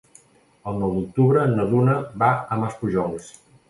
El nou d'octubre na Duna va a Maspujols.